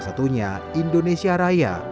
salah satunya indonesia raya